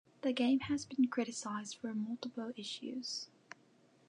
The game has been criticized for multiple issues.